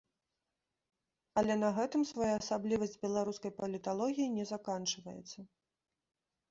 Але на гэтым своеасаблівасць беларускай паліталогіі не заканчваецца.